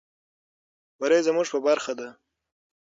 بري زموږ په برخه ده.